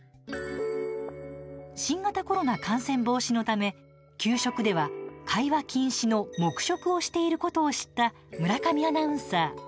新型コロナ感染防止のため給食では会話禁止の黙食をしていることを知った村上アナウンサー。